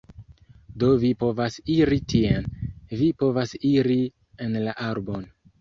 Do vi povas iri tien, vi povas iri en la arbon